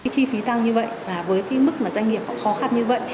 chi phí tăng như vậy và với cái mức doanh nghiệp khó khăn như vậy